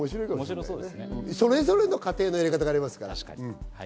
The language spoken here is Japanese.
それぞれの家庭のやり方がありますから。